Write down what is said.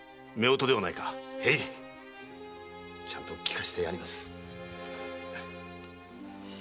へい！ちゃんと聞かせてやります。